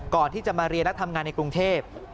ก่อนที่จะมาเรียนและทำงานในกรุงเทพ